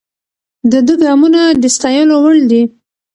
د ده ګامونه د ستایلو وړ دي.